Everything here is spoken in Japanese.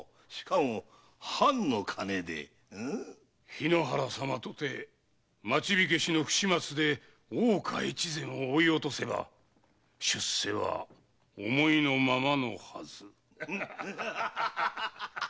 日野原様とて町火消しの不始末で大岡越前を追い落とせば出世は思いのままのはず。